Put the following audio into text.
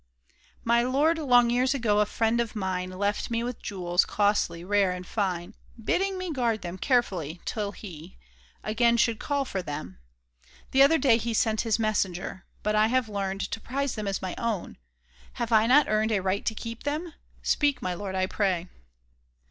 " My lord, long years ago a friend of mine Left with me jewels, costly, rare, and fine, Bidding me guard them carefully till he "Again should call for them. The other day He sent his messenger. But I have learned To prize them as my own ! Have 1 not earned A right to keep them ? Speak, my lord, I pray